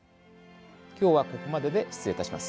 今日はここまでで失礼いたします。